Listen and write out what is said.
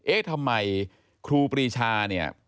เอ๊ะทำไมครูปรีชา